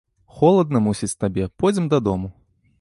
Холадна, мусіць, табе, пойдзем дадому.